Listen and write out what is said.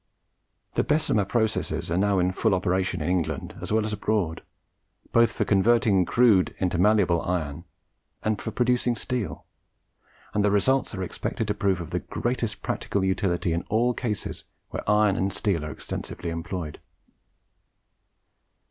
The Bessemer processes are now in full operation in England as well as abroad, both for converting crude into malleable iron, and for producing steel; and the results are expected to prove of the greatest practical utility in all cases where iron and steel are extensively employed.